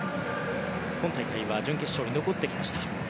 今大会は準決勝に残ってきました。